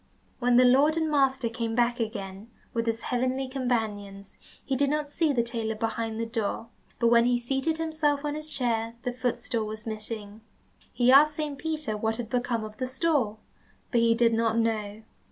When the Lord and master came back again with his heavenly companions, he did not see the tailor behind the door, but when he seated himself on his chair the footstool was missing. He asked Saint Peter what had become of the stool, but he did not know.